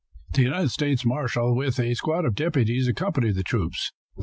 The United States marshal, with a squad of deputies, accompanied the troops.